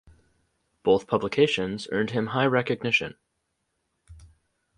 Both publications earned him high recognition.